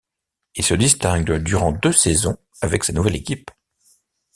Il se distingue durant deux saisons avec sa nouvelle équipe.